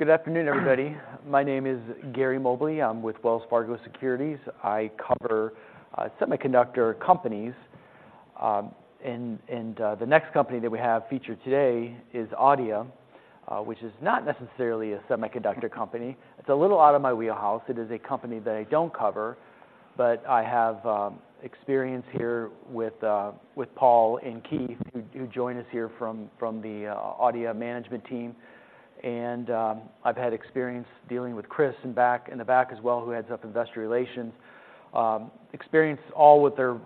Good afternoon, everybody. My name is Gary Mobley. I'm with Wells Fargo Securities. I cover semiconductor companies, and the next company that we have featured today is Adeia, which is not necessarily a semiconductor company. It's a little out of my wheelhouse. It is a company that I don't cover, but I have experience here with Paul and Keith, who do join us here from the Adeia management team. And I've had experience dealing with Chris in back, in the back as well, who heads up investor relations. Experience all with their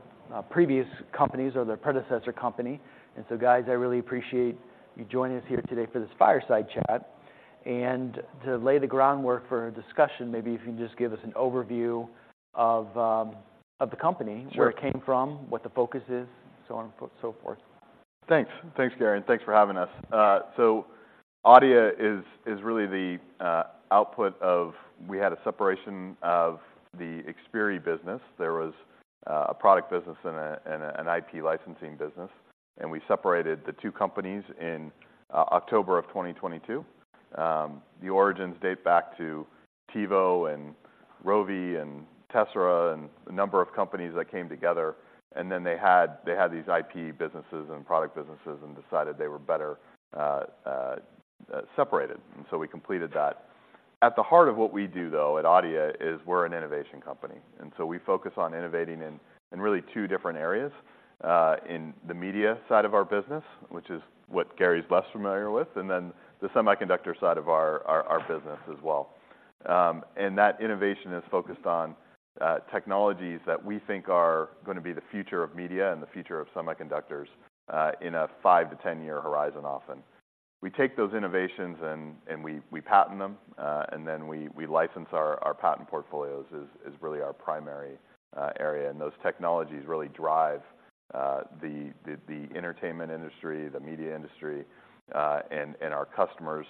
previous companies or their predecessor company. And so guys, I really appreciate you joining us here today for this fireside chat. To lay the groundwork for our discussion, maybe if you can just give us an overview of the company. Sure... where it came from, what the focus is, so on and so forth. Thanks. Thanks, Gary, and thanks for having us. So Adeia is really the output of... We had a separation of the Xperi business. There was a product business and an IP licensing business, and we separated the two companies in October of 2022. The origins date back to TiVo, and Rovi, and Tessera, and a number of companies that came together, and then they had these IP businesses and product businesses and decided they were better separated, and so we completed that. At the heart of what we do, though, at Adeia, is we're an innovation company, and so we focus on innovating in really two different areas. In the media side of our business, which is what Gary's less familiar with, and then the semiconductor side of our business as well. And that innovation is focused on technologies that we think are gonna be the future of media and the future of semiconductors in a five-to-ten-year horizon often. We take those innovations and we patent them and then we license our patent portfolios, which is really our primary area. And those technologies really drive the entertainment industry, the media industry, and our customers.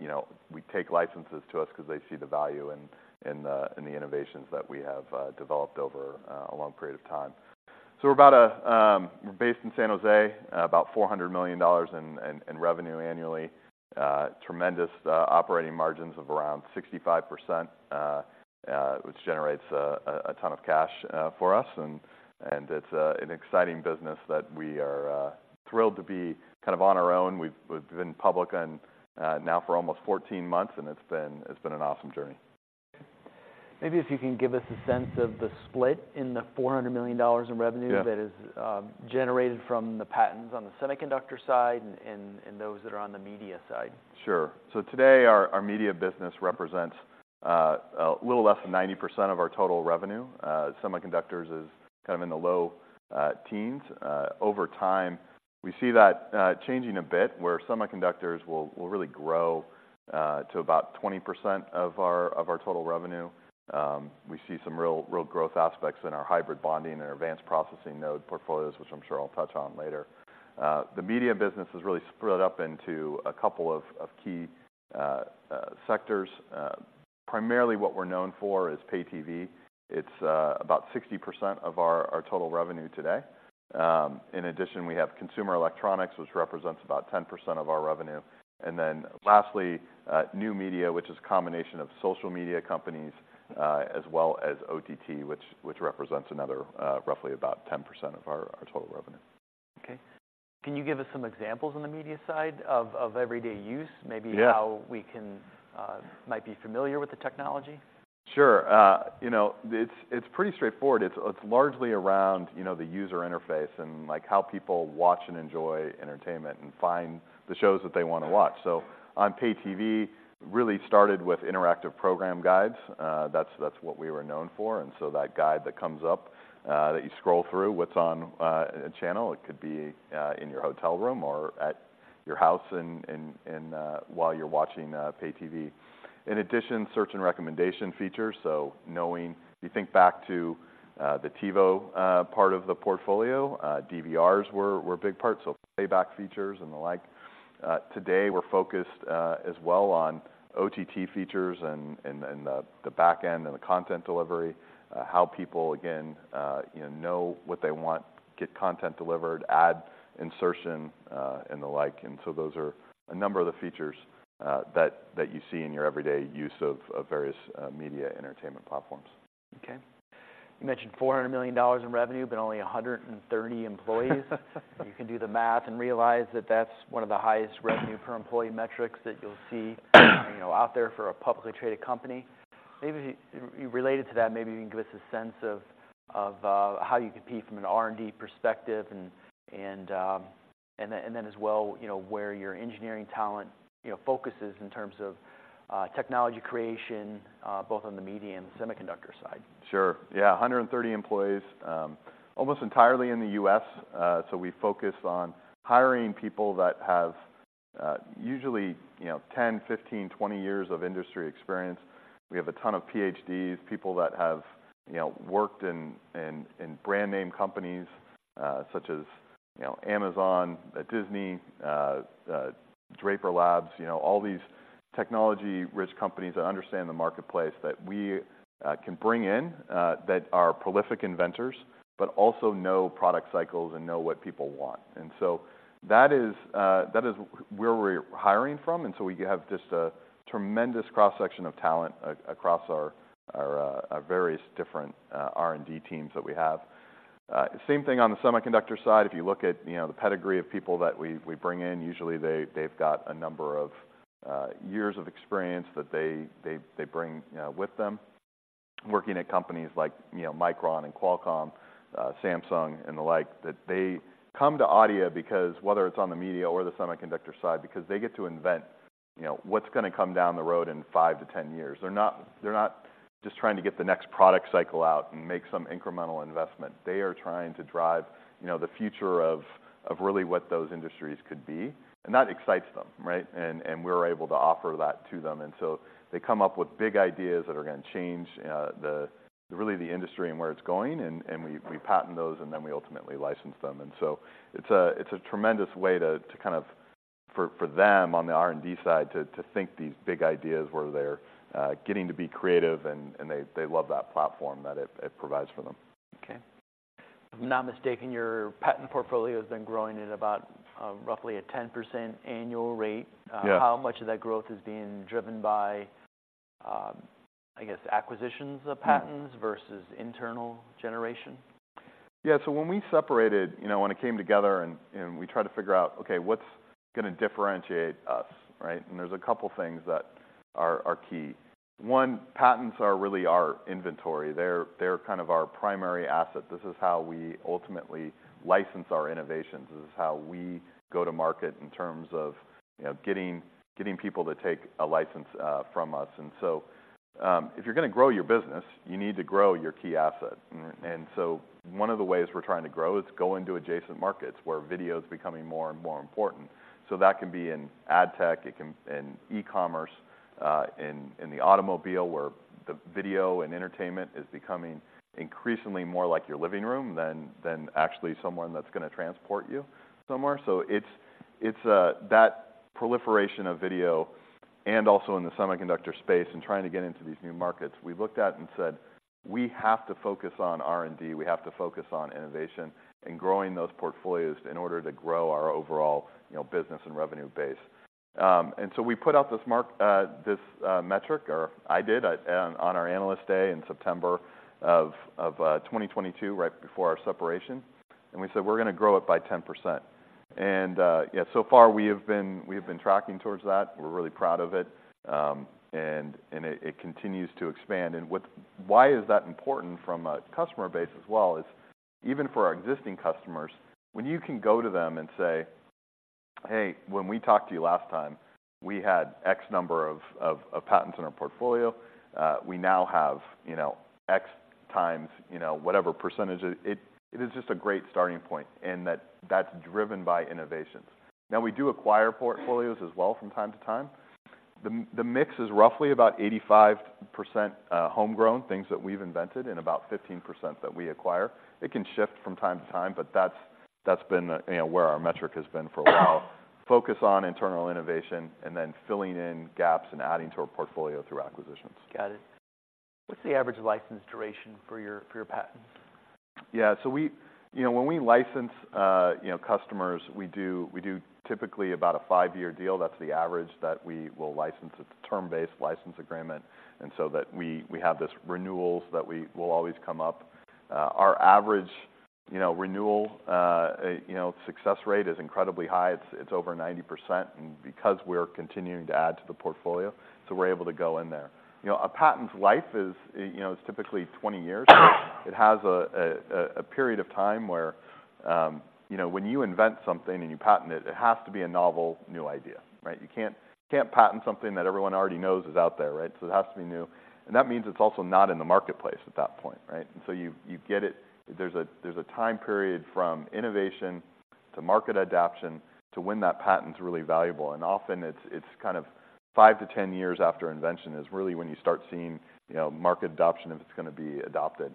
You know, we take licenses to us 'cause they see the value in the innovations that we have developed over a long period of time. So we're about a... We're based in San Jose, about $400 million in revenue annually. Tremendous operating margins of around 65%, which generates a ton of cash for us, and it's an exciting business that we are thrilled to be kind of on our own. We've been public now for almost 14 months, and it's been an awesome journey. Maybe if you can give us a sense of the split in the $400 million in revenue? Yeah... that is, generated from the patents on the semiconductor side and those that are on the media side. Sure. So today, our media business represents a little less than 90% of our total revenue. Semiconductors is kind of in the low teens. Over time, we see that changing a bit, where semiconductors will really grow to about 20% of our total revenue. We see some real growth aspects in our hybrid bonding and advanced processing node portfolios, which I'm sure I'll touch on later. The media business is really split up into a couple of key sectors. Primarily what we're known for is pay TV. It's about 60% of our total revenue today. In addition, we have consumer electronics, which represents about 10% of our revenue. Then lastly, new media, which is a combination of social media companies, as well as OTT, which represents another, roughly about 10% of our total revenue. Okay. Can you give us some examples on the media side of everyday use? Yeah. Maybe how we can might be familiar with the technology. Sure. You know, it's pretty straightforward. It's largely around, you know, the user interface and, like, how people watch and enjoy entertainment and find the shows that they wanna watch. So on Pay TV, really started with interactive program guides. That's what we were known for, and so that guide that comes up, that you scroll through what's on a channel. It could be in your hotel room or at your house in while you're watching Pay TV. In addition, search and recommendation features, so knowing... You think back to the TiVo part of the portfolio, DVRs were a big part, so playback features and the like. Today, we're focused as well on OTT features and the back end and the content delivery, how people, again, you know, know what they want, get content delivered, ad insertion, and the like. And so those are a number of the features that you see in your everyday use of various media entertainment platforms. Okay. You mentioned $400 million in revenue, but only 130 employees. You can do the math and realize that that's one of the highest revenue per employee metrics that you'll see, you know, out there for a publicly traded company. Maybe related to that, maybe you can give us a sense of how you compete from an R&D perspective and then as well, you know, where your engineering talent focuses in terms of technology creation, both on the media and the semiconductor side. Sure. Yeah, 130 employees, almost entirely in the U.S. So we focus on hiring people that have, usually, you know, 10, 15, 20 years of industry experience. We have a ton of PhDs, people that have, you know, worked in, in, in brand-name companies. Such as, you know, Amazon, Disney, Draper Labs, you know, all these technology-rich companies that understand the marketplace, that we can bring in, that are prolific inventors, but also know product cycles and know what people want. And so that is, that is where we're hiring from, and so we have just a tremendous cross-section of talent across our, our, our various different, R&D teams that we have. Same thing on the semiconductor side. If you look at, you know, the pedigree of people that we bring in, usually they've got a number of years of experience that they bring, you know, with them, working at companies like, you know, Micron and Qualcomm, Samsung, and the like. That they come to Adeia because whether it's on the media or the semiconductor side, because they get to invent, you know, what's gonna come down the road in 5-10 years. They're not just trying to get the next product cycle out and make some incremental investment. They are trying to drive, you know, the future of really what those industries could be, and that excites them, right? And we're able to offer that to them. And so they come up with big ideas that are gonna change the really the industry and where it's going, and we patent those, and then we ultimately license them. And so it's a tremendous way to kind of for them on the R&D side to think these big ideas where they're getting to be creative, and they love that platform that it provides for them. Okay. If I'm not mistaken, your patent portfolio has been growing at about, roughly a 10% annual rate. Yes. How much of that growth is being driven by, I guess, acquisitions of patents? Mm-hmm... versus internal generation? Yeah, so when we separated, you know, when it came together and we tried to figure out, okay, what's gonna differentiate us, right? And there's a couple things that are key. One, patents are really our inventory. They're kind of our primary asset. This is how we ultimately license our innovations. This is how we go to market in terms of, you know, getting people to take a license from us. And so, if you're gonna grow your business, you need to grow your key asset. And so one of the ways we're trying to grow is go into adjacent markets, where video is becoming more and more important. So that can be in ad tech, it can in e-commerce, in the automobile, where the video and entertainment is becoming increasingly more like your living room than actually someone that's gonna transport you somewhere. So it's that proliferation of video and also in the semiconductor space and trying to get into these new markets. We looked at and said, "We have to focus on R&D. We have to focus on innovation and growing those portfolios in order to grow our overall, you know, business and revenue base." And so we put out this metric, or I did at on our Analyst Day in September of 2022, right before our separation, and we said, "We're gonna grow it by 10%." And yeah, so far we have been, we've been tracking towards that. We're really proud of it, and it continues to expand. And what why is that important from a customer base as well, is even for our existing customers, when you can go to them and say, "Hey, when we talked to you last time, we had X number of patents in our portfolio. We now have, you know, X times," you know, whatever percentage, it is just a great starting point, and that's driven by innovations. Now, we do acquire portfolios as well from time to time. The mix is roughly about 85% homegrown, things that we've invented, and about 15% that we acquire. It can shift from time to time, but that's been, you know, where our metric has been for a while. Focus on internal innovation, and then filling in gaps and adding to our portfolio through acquisitions. Got it. What's the average license duration for your, for your patents? Yeah, so we... You know, when we license, you know, customers, we do, we do typically about a five-year deal. That's the average that we will license. It's a term-based license agreement, and so that we, we have this renewals that we will always come up. Our average, you know, renewal, you know, success rate is incredibly high. It's over 90%, and because we're continuing to add to the portfolio, so we're able to go in there. You know, a patent's life is, you know, typically 20 years. It has a period of time where, you know, when you invent something and you patent it, it has to be a novel, new idea, right? You can't patent something that everyone already knows is out there, right? So it has to be new, and that means it's also not in the marketplace at that point, right? And so you get it. There's a time period from innovation to market adoption to when that patent's really valuable, and often it's kind of 5-10 years after invention is really when you start seeing, you know, market adoption, if it's gonna be adopted.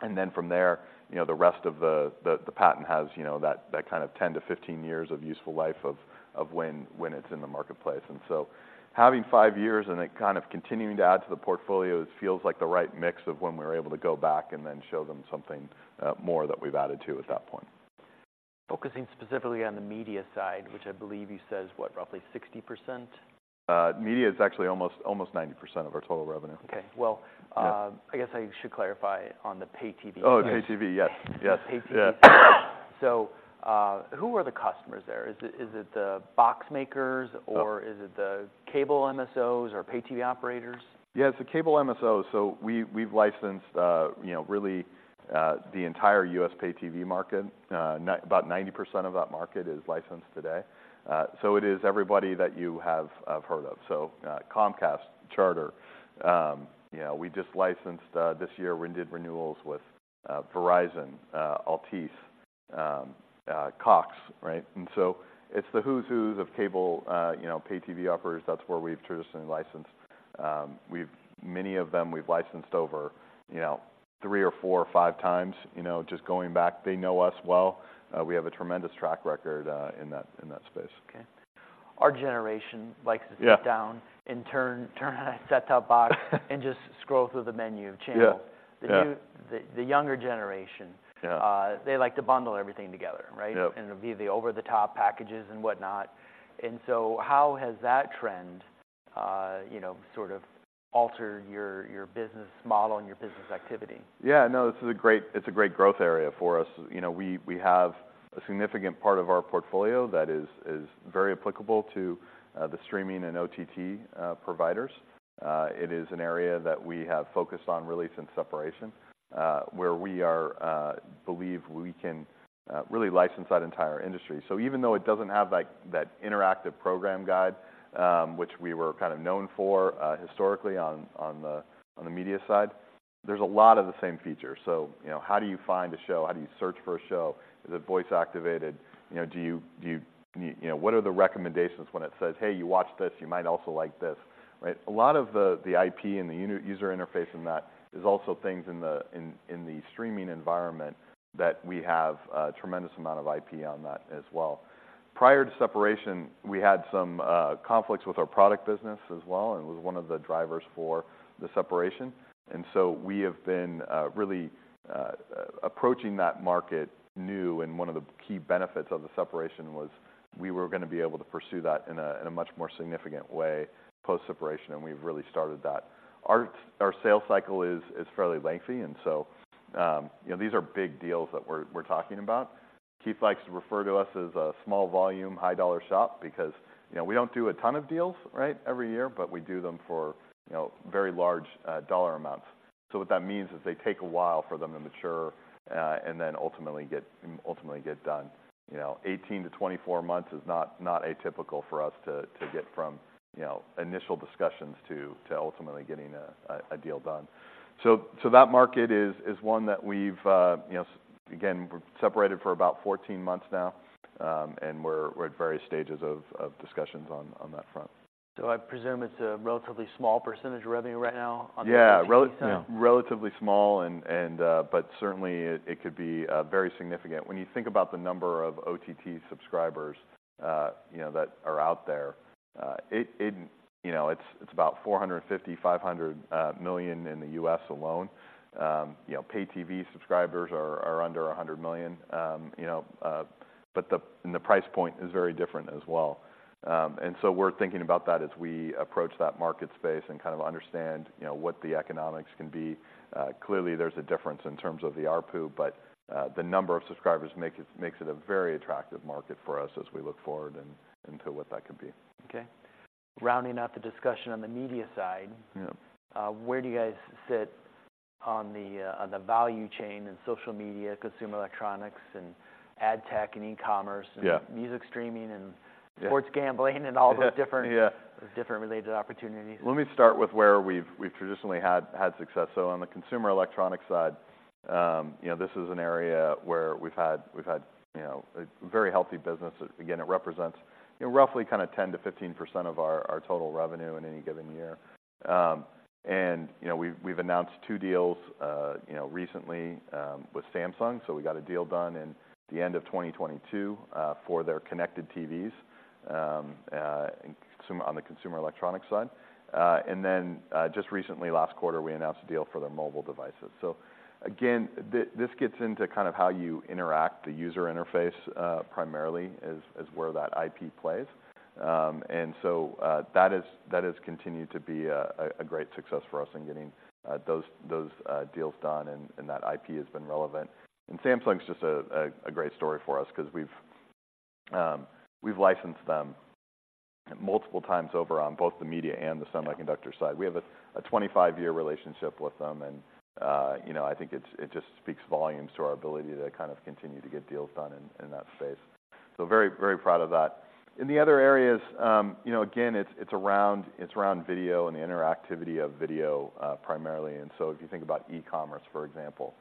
And then from there, you know, the rest of the patent has, you know, that kind of 10-15 years of useful life of when it's in the marketplace. And so having five years and then kind of continuing to add to the portfolio, it feels like the right mix of when we're able to go back and then show them something more that we've added to at that point. Focusing specifically on the media side, which I believe you said is what? Roughly 60%? Media is actually almost 90% of our total revenue. Okay. Well- Yeah I guess I should clarify on the Pay TV. Oh, Pay TV, yes. Yes. The Pay TV. Yeah. So, who are the customers there? Is it, is it the box makers? Oh... or is it the cable MSOs or Pay TV operators? Yeah, it's the cable MSOs. So we, we've licensed, you know, really, the entire U.S. pay TV market. About 90% of that market is licensed today. So it is everybody that you have heard of, so, Comcast, Charter. You know, we just licensed this year, we did renewals with Verizon, Altice, Cox, right? And so it's the who's who of cable, you know, pay TV operators. That's where we've traditionally licensed. Many of them, we've licensed over, you know, 3 or 4 or 5 times, you know, just going back. They know us well. We have a tremendous track record in that space. Okay. Our generation likes to- Yeah... sit down and turn on a set-top box and just scroll through the menu of channels. Yeah, yeah. The younger generation. Yeah... they like to bundle everything together, right? Yep. It'll be the over-the-top packages and whatnot. So how has that trend, you know, sort of altered your, your business model and your business activity? Yeah, no, this is a great—it's a great growth area for us. You know, we have a significant part of our portfolio that is very applicable to the streaming and OTT providers. It is an area that we have focused on really since separation, where we believe we can really license that entire industry. So even though it doesn't have, like, that interactive program guide, which we were kind of known for historically on the media side, there's a lot of the same features. So, you know, how do you find a show? How do you search for a show? Is it voice activated? You know, do you... You know, what are the recommendations when it says, "Hey, you watched this, you might also like this," right? A lot of the IP and the user interface in that is also things in the streaming environment that we have a tremendous amount of IP on that as well. Prior to separation, we had some conflicts with our product business as well, and it was one of the drivers for the separation. So we have been really approaching that market new. One of the key benefits of the separation was we were gonna be able to pursue that in a much more significant way post-separation, and we've really started that. Our sales cycle is fairly lengthy, and so you know, these are big deals that we're talking about. Keith likes to refer to us as a small volume, high dollar shop, because, you know, we don't do a ton of deals, right, every year, but we do them for, you know, very large, dollar amounts. So what that means is they take a while for them to mature, and then ultimately get, ultimately get done. You know, 18-24 months is not, not atypical for us to, to get from, you know, initial discussions to, to ultimately getting a, a, a deal done. So, so that market is, is one that we've... You know, again, we're separated for about 14 months now, and we're, we're at various stages of, of discussions on, on that front. I presume it's a relatively small percentage of revenue right now on the OTT side? Yeah, relatively small, and, and... But certainly, it, it, could be very significant. When you think about the number of OTT subscribers, you know, that are out there, it, it, you know, it's, it's about 450-500 million in the U.S. alone. You know, pay TV subscribers are under 100 million. You know, but the... And the price point is very different as well. And so we're thinking about that as we approach that market space and kind of understand, you know, what the economics can be. Clearly there's a difference in terms of the ARPU, but the number of subscribers makes it a very attractive market for us as we look forward and to what that could be. Okay. Rounding out the discussion on the media side- Yep... where do you guys sit on the, on the value chain in social media, consumer electronics, and ad tech, and e-commerce? Yeah... and music streaming, and- Yeah... sports gambling, and all those different- Yeah... different related opportunities? Let me start with where we've traditionally had success. So on the consumer electronics side, you know, this is an area where we've had a very healthy business. Again, it represents, you know, roughly kind of 10%-15% of our total revenue in any given year. And, you know, we've announced 2 deals, you know, recently, with Samsung. So we got a deal done in the end of 2022, for their connected TVs, on the consumer electronics side. And then, just recently, last quarter, we announced a deal for their mobile devices. So again, this gets into kind of how you interact. The user interface primarily is where that IP plays. And so, that has continued to be a great success for us in getting those deals done, and that IP has been relevant. And Samsung's just a great story for us, 'cause we've licensed them multiple times over on both the media and the semiconductor side. Yeah. We have a 25-year relationship with them and, you know, I think it just speaks volumes to our ability to kind of continue to get deals done in that space. So very, very proud of that. In the other areas, you know, again, it's around video and the interactivity of video, primarily. And so if you think about e-commerce, for example,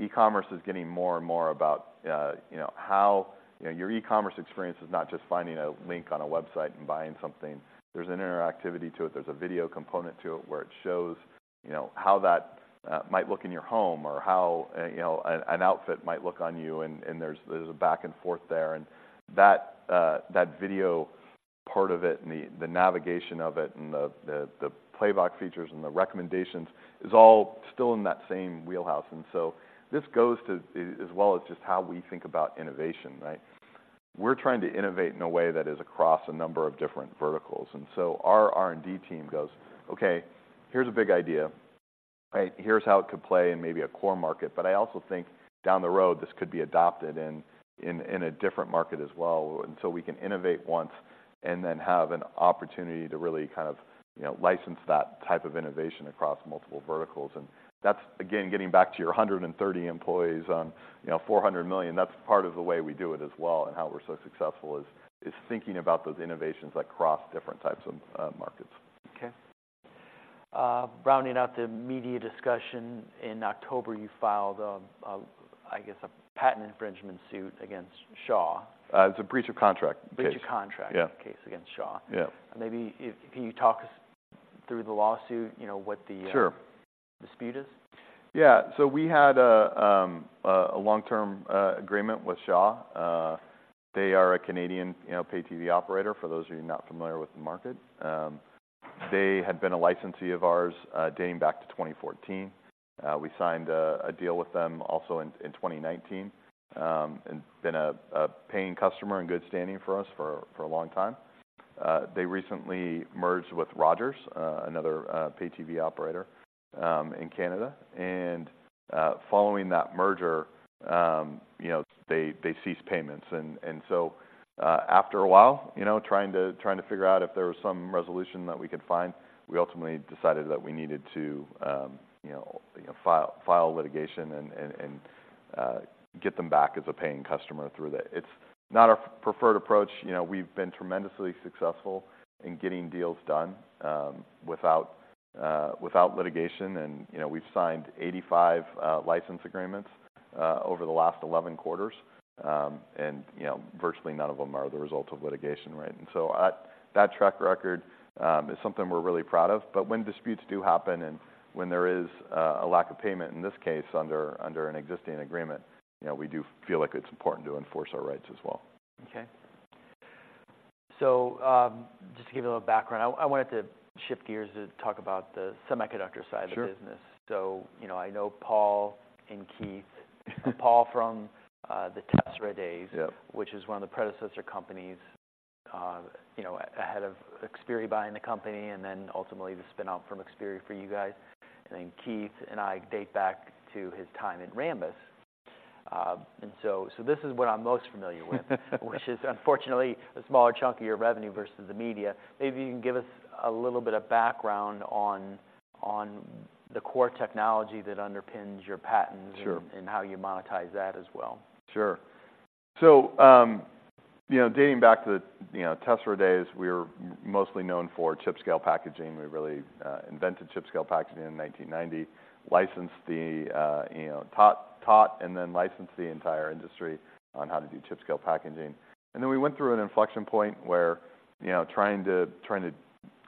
e-commerce is getting more and more about, you know, how... You know, your e-commerce experience is not just finding a link on a website and buying something. There's an interactivity to it. There's a video component to it, where it shows, you know, how that might look in your home, or how, you know, an outfit might look on you, and there's a back and forth there. That video part of it, and the navigation of it, and the playback features, and the recommendations is all still in that same wheelhouse. And so this goes to, as well as just how we think about innovation, right? We're trying to innovate in a way that is across a number of different verticals, and so our R&D team goes, "Okay, here's a big idea, right? Here's how it could play in maybe a core market, but I also think down the road, this could be adopted in a different market as well." And so we can innovate once, and then have an opportunity to really kind of, you know, license that type of innovation across multiple verticals. And that's, again, getting back to your 130 employees on, you know, $400 million, that's part of the way we do it as well and how we're so successful, is thinking about those innovations across different types of markets. Okay, rounding out the media discussion, in October, you filed a, I guess, a patent infringement suit against Shaw. It's a breach of contract case. Breach of contract- Yeah case against Shaw. Yeah. Maybe can you talk us through the lawsuit, you know, what the? Sure Dispute is? Yeah, so we had a long-term agreement with Shaw. They are a Canadian pay TV operator, for those of you not familiar with the market. They had been a licensee of ours dating back to 2014. We signed a deal with them also in 2019 and been a paying customer in good standing for us for a long time. They recently merged with Rogers, another pay TV operator in Canada. And following that merger, you know, they ceased payments. And so, after a while, you know, trying to figure out if there was some resolution that we could find, we ultimately decided that we needed to, you know, file litigation and get them back as a paying customer through that. It's not our preferred approach. You know, we've been tremendously successful in getting deals done without litigation. And, you know, we've signed 85 license agreements over the last 11 quarters. And, you know, virtually none of them are the result of litigation, right? And so, that track record is something we're really proud of, but when disputes do happen, and when there is a lack of payment, in this case, under an existing agreement, you know, we do feel like it's important to enforce our rights as well. Okay. So, just to give you a little background, I wanted to shift gears to talk about the semiconductor side- Sure... of the business. So, you know, I know Paul and Keith. Paul from the Tessera days- Yep... which is one of the predecessor companies, you know, ahead of Xperi buying the company, and then ultimately the spin-out from Xperi for you guys. And then Keith and I date back to his time at Rambus. And so, so this is what I'm most familiar with, which is, unfortunately, a smaller chunk of your revenue versus the media. Maybe you can give us a little bit of background on the core technology that underpins your patents- Sure... and how you monetize that as well. Sure. So, you know, dating back to the, you know, Tessera days, we were mostly known for chip-scale packaging. We really invented chip-scale packaging in 1990, licensed the, you know, taught and then licensed the entire industry on how to do chip-scale packaging. And then we went through an inflection point where, you know, trying to, trying to,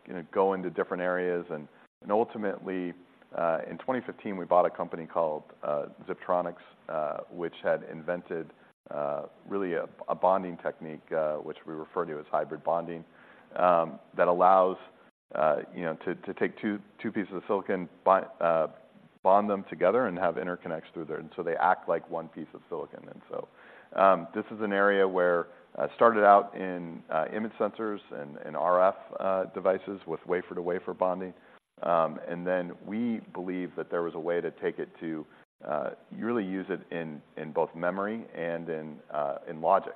you know, go into different areas. And ultimately, in 2015, we bought a company called Ziptronix, which had invented really a bonding technique, which we refer to as hybrid bonding, that allows, you know, to take two pieces of silicon, bond them together, and have interconnects through there, and so they act like one piece of silicon. This is an area where started out in image sensors and RF devices with wafer-to-wafer bonding. Then we believe that there was a way to take it to really use it in both memory and in logic,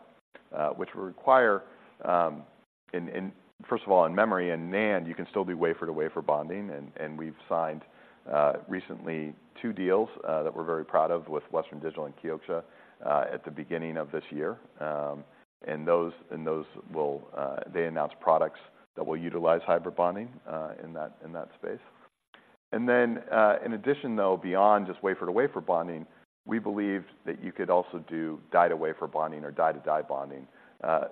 which would require... In first of all, in memory, in NAND, you can still do wafer-to-wafer bonding, and we've signed recently two deals that we're very proud of with Western Digital and Kioxia at the beginning of this year. And those will... They announced products that will utilize hybrid bonding in that space. Then, in addition, though, beyond just wafer-to-wafer bonding, we believed that you could also do die-to-wafer bonding or die-to-die bonding,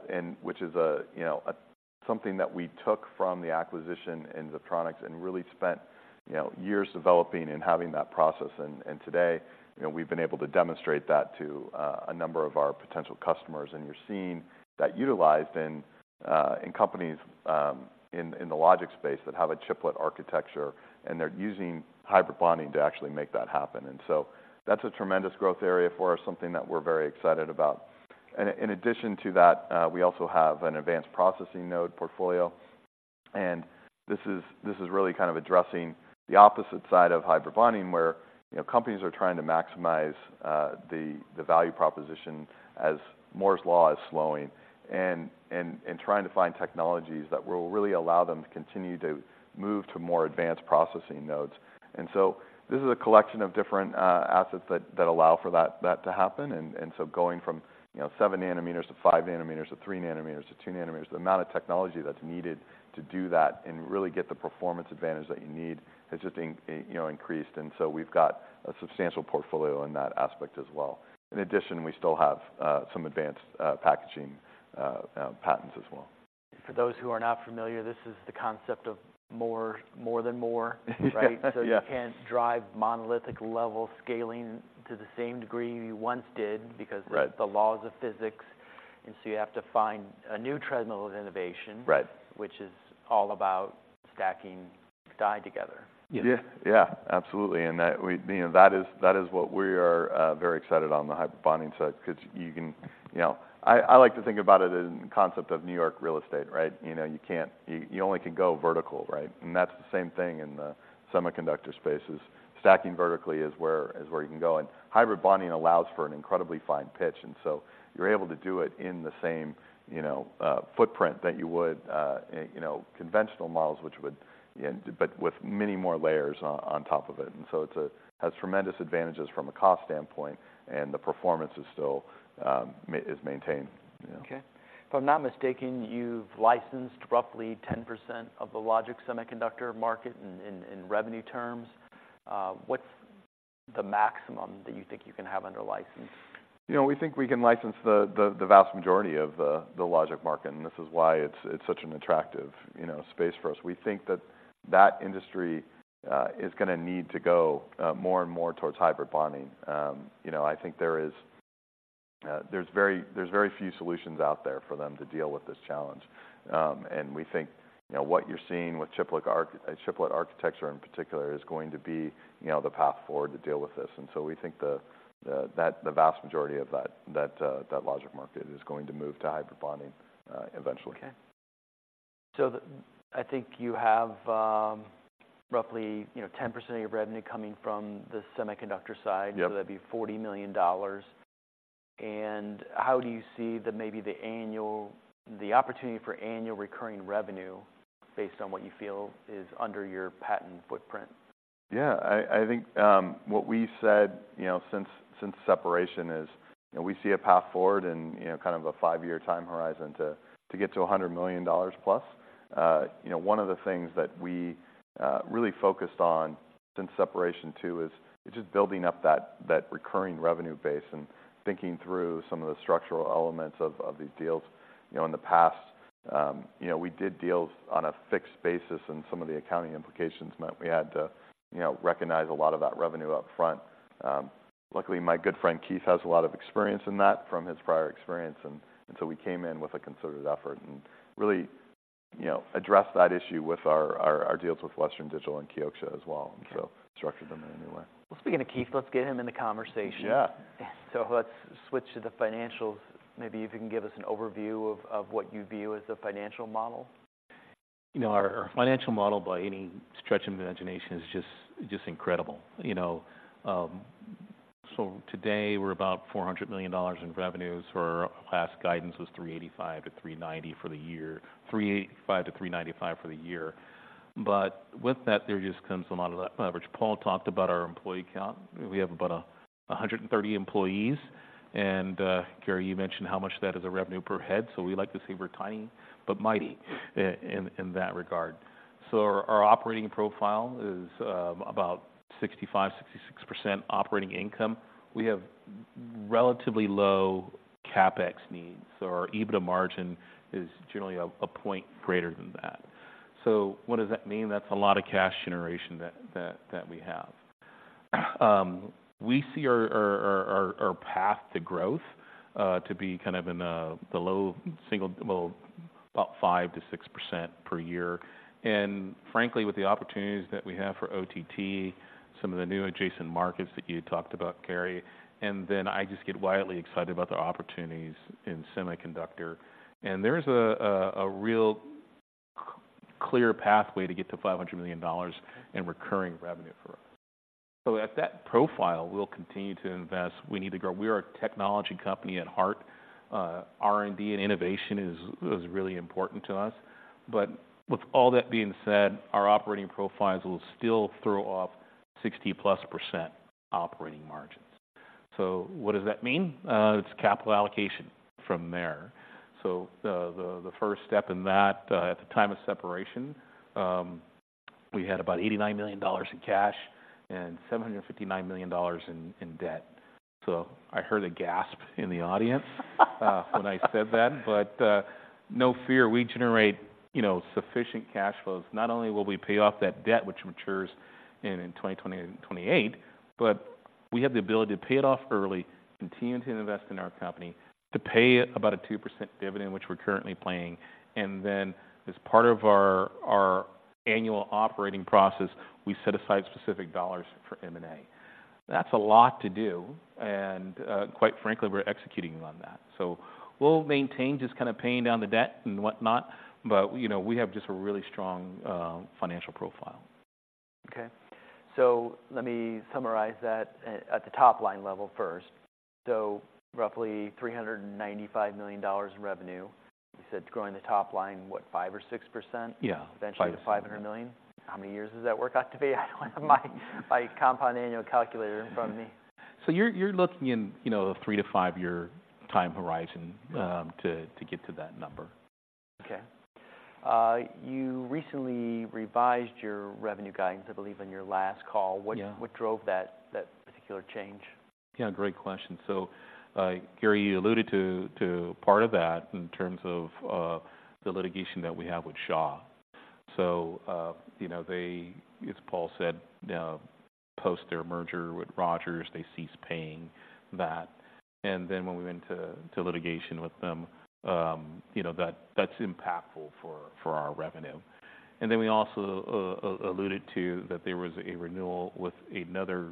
and which is a something that we took from the acquisition in Ziptronix and really spent, you know, years developing and having that process. And today, you know, we've been able to demonstrate that to a number of our potential customers. And we're seeing that utilized in companies in the logic space that have a chiplet architecture, and they're using hybrid bonding to actually make that happen. And so that's a tremendous growth area for us, something that we're very excited about. In addition to that, we also have an advanced processing node portfolio, and this is really kind of addressing the opposite side of hybrid bonding, where, you know, companies are trying to maximize the value proposition as Moore's Law is slowing, and trying to find technologies that will really allow them to continue to move to more advanced processing nodes. And so this is a collection of different assets that allow for that to happen. And so going from, you know, 7 nanometers to 5 nanometers, to 3 nanometers, to 2 nanometers, the amount of technology that's needed to do that and really get the performance advantage that you need has just, you know, increased. And so we've got a substantial portfolio in that aspect as well. In addition, we still have some advanced packaging patents as well. For those who are not familiar, this is the concept of more, More than Moore, right? Yeah. So you can't drive monolithic-level scaling to the same degree you once did because- Right... the laws of physics, and so you have to find a new treadmill of innovation- Right - which is all about stacking die together. Yeah. Yeah. Yeah, absolutely. And that we, you know, that is, that is what we are very excited on the hybrid bonding side, 'cause you can... You know, I like to think about it in concept of New York real estate, right? You know, you can't... You only can go vertical, right? And that's the same thing in the semiconductor spaces. Stacking vertically is where you can go, and hybrid bonding allows for an incredibly fine pitch. And so you're able to do it in the same, you know, footprint that you would, you know, conventional models, which would, you know, but with many more layers on top of it. And so it has tremendous advantages from a cost standpoint, and the performance is still is maintained, you know. Okay. If I'm not mistaken, you've licensed roughly 10% of the logic semiconductor market in revenue terms. What's the maximum that you think you can have under license? You know, we think we can license the vast majority of the logic market, and this is why it's such an attractive, you know, space for us. We think that that industry is gonna need to go more and more towards hybrid bonding. You know, I think there's very few solutions out there for them to deal with this challenge. And we think, you know, what you're seeing with chiplet architecture, in particular, is going to be, you know, the path forward to deal with this. And so we think that the vast majority of that logic market is going to move to hybrid bonding eventually. Okay. So I think you have, roughly, you know, 10% of your revenue coming from the semiconductor side. Yep. So that'd be $40 million. How do you see maybe the annual opportunity for annual recurring revenue based on what you feel is under your patent footprint? Yeah. I think what we said, you know, since separation is, you know, we see a path forward in, you know, kind of a five-year time horizon to get to $100 million plus. You know, one of the things that we really focused on since separation, too, is just building up that recurring revenue base and thinking through some of the structural elements of these deals. You know, in the past, you know, we did deals on a fixed basis, and some of the accounting implications meant we had to, you know, recognize a lot of that revenue upfront. Luckily, my good friend, Keith, has a lot of experience in that from his prior experience, and so we came in with a concerted effort and really, you know, addressed that issue with our deals with Western Digital and Kioxia as well- Okay and so structured them in a new way. Well, speaking of Keith, let's get him in the conversation. Yeah. So let's switch to the financials. Maybe if you can give us an overview of what you view as the financial model. You know, our financial model by any stretch of the imagination is just incredible. You know, so today we're about $400 million in revenues, where our last guidance was $385 million-$390 million for the year—$385 million-$395 million for the year. But with that, there just comes a lot of leverage. Paul talked about our employee count. We have about 130 employees, and Gary, you mentioned how much that is a revenue per head, so we like to say we're tiny but mighty in that regard. So our operating profile is about 65%-66% operating income. We have relatively low CapEx needs, so our EBITDA margin is generally a point greater than that. So what does that mean? That's a lot of cash generation that we have. We see our path to growth to be kind of in the low single. Well, about 5%-6% per year. And frankly, with the opportunities that we have for OTT, some of the new adjacent markets that you talked about, Gary, and then I just get wildly excited about the opportunities in semiconductor. And there's a real clear pathway to get to $500 million in recurring revenue for us. So at that profile, we'll continue to invest. We need to grow. We are a technology company at heart. R&D and innovation is really important to us. But with all that being said, our operating profiles will still throw off 60%+ operating margins. So what does that mean? It's capital allocation from there. So the first step in that, at the time of separation, we had about $89 million in cash and $759 million in debt. So I heard a gasp in the audience when I said that, but no fear, we generate, you know, sufficient cash flows. Not only will we pay off that debt, which matures in 2028, but we have the ability to pay it off early, continue to invest in our company, to pay about a 2% dividend, which we're currently paying, and then as part of our annual operating process, we set aside specific dollars for M&A. That's a lot to do, and quite frankly, we're executing on that. So we'll maintain just kind of paying down the debt and whatnot, but, you know, we have just a really strong financial profile. Okay. So let me summarize that at the top-line level first. So roughly $395 million in revenue. You said growing the top line, what? 5% or 6%? Yeah. Eventually to $500 million. How many years does that work out to be? I don't have my compound annual calculator in front of me. You're looking in, you know, a 3-5-year time horizon to get to that number. Okay. You recently revised your revenue guidance, I believe, in your last call. Yeah. What drove that particular change? Yeah, great question. So, Gary, you alluded to part of that in terms of the litigation that we have with Shaw. So, you know, they, as Paul said, post their merger with Rogers, they ceased paying that. And then when we went to litigation with them, you know, that's impactful for our revenue. And then we also alluded to that there was a renewal with another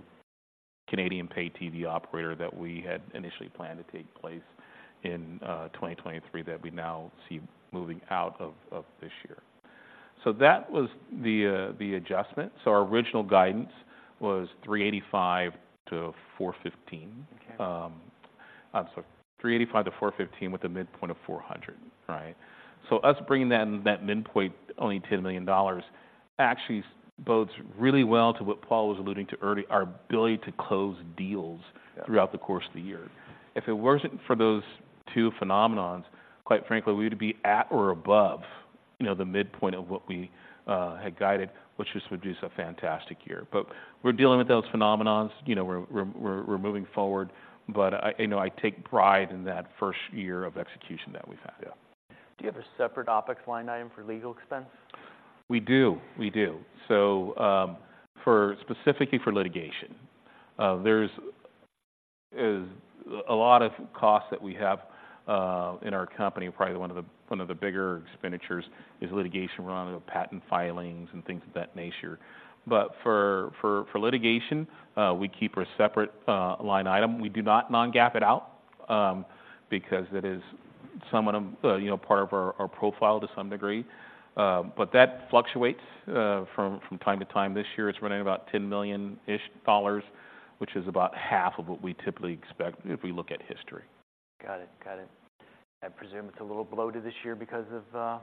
Canadian Pay TV operator that we had initially planned to take place in 2023, that we now see moving out of this year. So that was the adjustment. So our original guidance was $385-$415. Okay. I'm sorry, $385-$415, with a midpoint of $400, right? So us bringing that, that midpoint only $10 million actually bodes really well to what Paul was alluding to earlier, our ability to close deals- Yeah Throughout the course of the year. If it weren't for those two phenomena, quite frankly, we would be at or above—you know, the midpoint of what we had guided, which just would be just a fantastic year. But we're dealing with those phenomena. You know, we're moving forward, but I—you know, I take pride in that first year of execution that we've had. Yeah. Do you have a separate OpEx line item for legal expense? We do. We do. So, specifically for litigation. There's a lot of costs that we have in our company. Probably one of the bigger expenditures is litigation around patent filings and things of that nature. But for litigation, we keep a separate line item. We do not non-GAAP it out because it is somewhat of, you know, part of our profile to some degree. But that fluctuates from time to time. This year, it's running about $10 million-ish, which is about half of what we typically expect if we look at history. Got it. Got it. I presume it's a little bloated this year because of,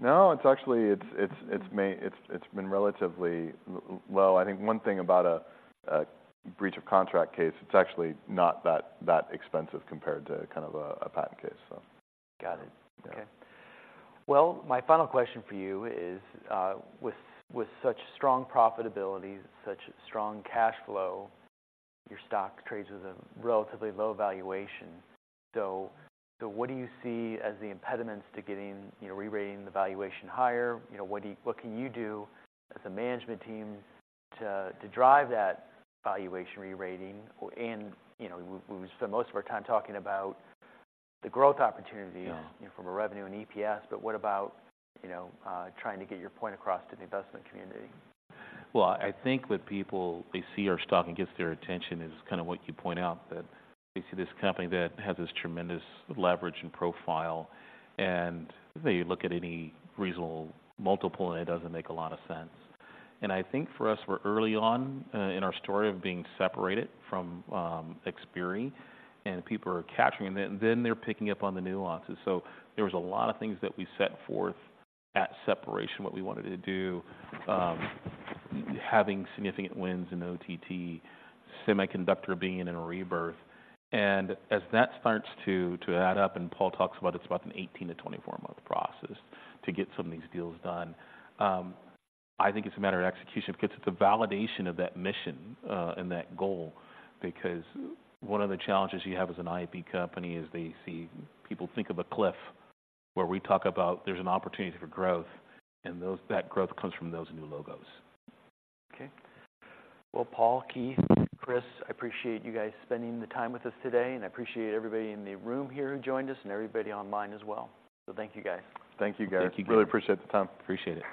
No, it's actually, it's been relatively low. I think one thing about a breach of contract case, it's actually not that expensive compared to kind of a patent case, so... Got it. Yeah. Okay. Well, my final question for you is, with such strong profitability, such strong cash flow, your stock trades with a relatively low valuation. So, what do you see as the impediments to getting, you know, re-rating the valuation higher? You know, what can you do as a management team to drive that valuation re-rating? Or, you know, we spent most of our time talking about the growth opportunities- Yeah... you know, from a revenue and EPS, but what about, you know, trying to get your point across to the investment community? Well, I think what people, they see our stock and gets their attention is kind of what you point out, that they see this company that has this tremendous leverage and profile, and they look at any reasonable multiple, and it doesn't make a lot of sense. I think for us, we're early on in our story of being separated from Xperi, and people are capturing that. Then they're picking up on the nuances. So there was a lot of things that we set forth at separation, what we wanted to do, having significant wins in OTT, semiconductor being in a rebirth. And as that starts to add up, and Paul talks about it, it's about an 18- to 24-month process to get some of these deals done. I think it's a matter of execution, because it's a validation of that mission, and that goal, because one of the challenges you have as an IP company is they see... People think of a cliff, where we talk about there's an opportunity for growth, and that growth comes from those new logos. Okay. Well, Paul, Keith, Chris, I appreciate you guys spending the time with us today, and I appreciate everybody in the room here who joined us and everybody online as well. So thank you, guys. Thank you, guys. Thank you. Really appreciate the time. Appreciate it.